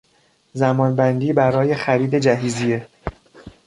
زمان بندی برای خرید جهیزیه